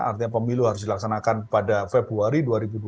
artinya pemilu harus dilaksanakan pada februari dua ribu dua puluh